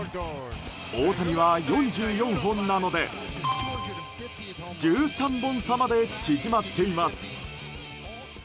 大谷は４４本なので１３本差まで縮まっています。